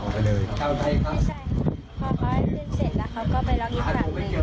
พอเค้าให้สิ้นเสร็จแล้วเขาก็ไปล๊อกอีภัณฑ์หนึ่ง